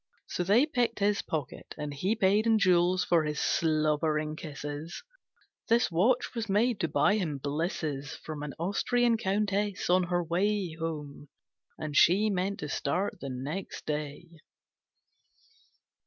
So they picked his pocket, And he paid in jewels for his slobbering kisses. This watch was made to buy him blisses From an Austrian countess on her way Home, and she meant to start next day.